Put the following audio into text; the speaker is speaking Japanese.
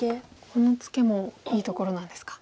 このツケもいいところなんですか。